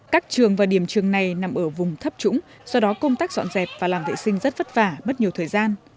các trường và điểm trường này nằm ở vùng thấp trũng do đó công tác dọn dẹp và làm vệ sinh rất vất vả mất nhiều thời gian